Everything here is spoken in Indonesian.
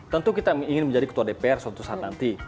tentu kita ingin menjadi ketua dpr suatu saat nanti